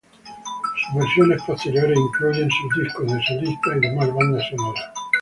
Sus versiones posteriores incluyen sus discos de solistas y demás bandas sonoras.